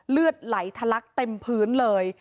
เลือดไหลทะลักเต็มพื้นเลย